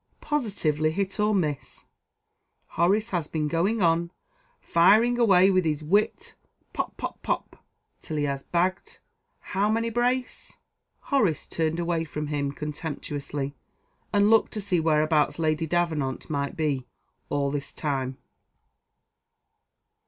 "Positively, hit or miss, Horace has been going on, firing away with his wit, pop, pop, pop! till he has bagged how many brace?" Horace turned away from him contemptuously, and looked to see whereabouts Lady Davenant might be all this time.